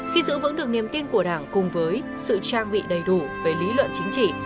khi giữ vững được niềm tin của đảng cùng với sự trang bị đầy đủ về lý luận chính trị